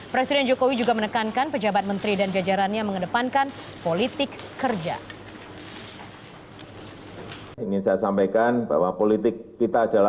presiden jokowi juga menekankan pejabat menteri dan jajarannya mengedepankan politik kerja